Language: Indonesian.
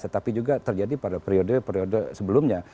tetapi juga terjadi pada periode periode sebelumnya